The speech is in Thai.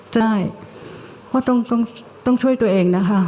ใช่ก็ต้องช่วยตัวเองนะคะ